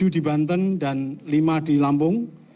tujuh di banten dan lima di lampung